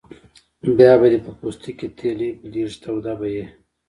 بیا به دې په پوستکي تیلی بلېږي توده به یې.